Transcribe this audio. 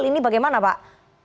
ini bagaimana pak